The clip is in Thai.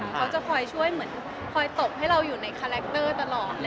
เขาจะคอยช่วยเหมือนคอยตบให้เราอยู่ในคาแรคเตอร์ตลอด